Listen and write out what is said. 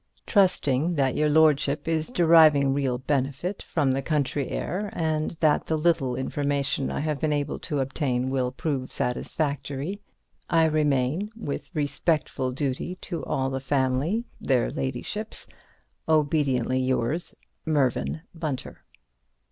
Trusting that your lordship is deriving real benefit from the country air, and that the little information I have been able to obtain will prove satisfactory, I remain, With respectful duty to all the family, their ladyships, Obediently yours, MERVYN BUNTER.